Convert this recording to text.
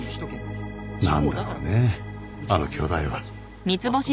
何だろうねあの兄弟は。